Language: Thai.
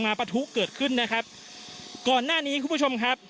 ปะทุเกิดขึ้นนะครับก่อนหน้านี้คุณผู้ชมครับ